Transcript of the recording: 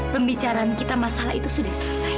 pembicaraan kita masalah itu sudah selesai